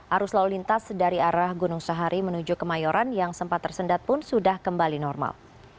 arus lalu lintas dari arah gunung sahari menuju kemayoran yang sempat tersendat pun sudah kembali normal